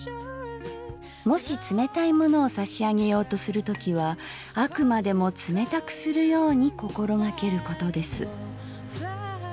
もし冷たいものを差上げようとする時はあくまでも冷たくするように心がけることです」。